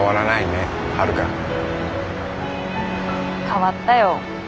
変わったよ。